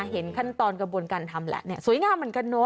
เห็นขั้นตอนกระบวนการทำแล้วเนี่ยสวยงามเหมือนกันเนอะ